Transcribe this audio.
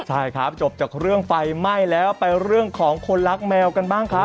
ใช่ครับจบจากเรื่องไฟไหม้แล้วไปเรื่องของคนรักแมวกันบ้างครับ